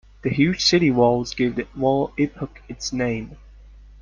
The huge city walls gave the wall epoch its name.